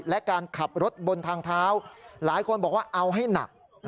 และการขับรถบนทางเท้าหลายคนบอกว่าเอาให้หนัก